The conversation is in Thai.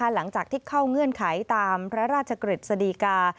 หลังจากที่เข้าเงื่อนไขตามพระราชกฤษฎีกา